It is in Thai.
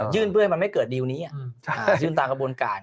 ยื่นเพื่อให้มันไม่เกิดรายเลี่ยวนี้ยื่นตามกระบวนการ